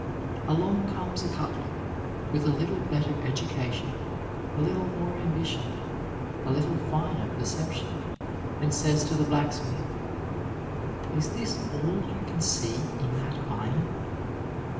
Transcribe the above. Along comes a cutler, with a little better education, a little more ambition, a little finer perception, and says to the blacksmith: "Is this all you can see in that iron?